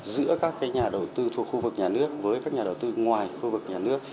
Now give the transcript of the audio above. giữa các nhà đầu tư thuộc khu vực nhà nước với các nhà đầu tư ngoài khu vực nhà nước